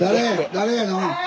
誰やの？